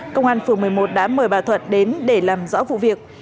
công an phường một mươi một đã mời bà thuận đến để làm rõ vụ việc